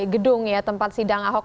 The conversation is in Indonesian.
gedung ya tempat sidang ahok